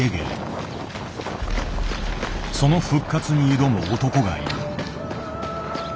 その復活に挑む男がいる。